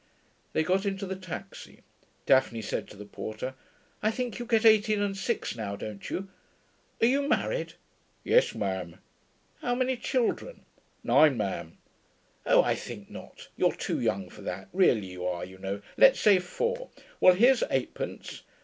They got into the taxi. Daphne said to the porter, 'I think you get eighteen and six now, don't you? Are you married?' 'Yes, ma'am.' 'How many children?' 'Nine, ma'am.' 'Oh, I think not. You're too young for that, really you are, you know. Let's say four. Well, here's eightpence.